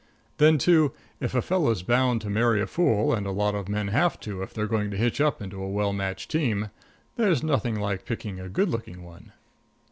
Then, too, if a fellow's bound to marry a fool, and a lot of men have to if they're going to hitch up into a well matched team, there's nothing like picking a good looking one.